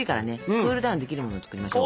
クールダウンできるものを作りましょう。